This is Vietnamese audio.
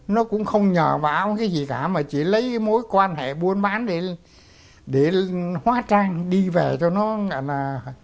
nó cũng không nhờ báo cái gì cả mà chỉ lấy mối quan hệ buôn bán để hóa trang đi về cho nó là